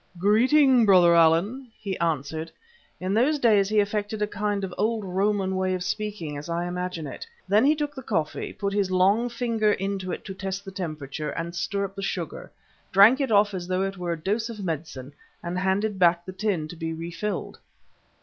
"Greeting, Brother Allan," he answered in those days he affected a kind of old Roman way of speaking, as I imagine it. Then he took the coffee, put his long finger into it to test the temperature and stir up the sugar, drank it off as though it were a dose of medicine, and handed back the tin to be refilled.